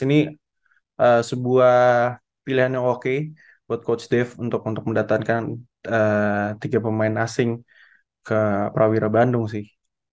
ini sebuah pilihan yang oke buat coach dave untuk mendatangkan tiga pemain asing ke prawira bandung sih